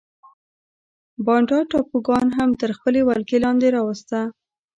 بانډا ټاپوګان هم تر خپلې ولکې لاندې راوسته.